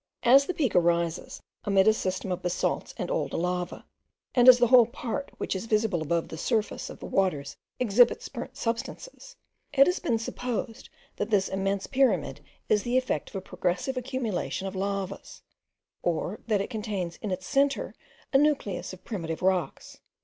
As the Peak rises amid a system of basalts and old lava, and as the whole part which is visible above the surface of the waters exhibits burnt substances, it has been supposed that this immense pyramid is the effect of a progressive accumulation of lavas; or that it contains in its centre a nucleus of primitive rocks.